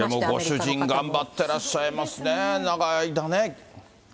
でもご主人頑張ってらっしゃってますね、長い間ね。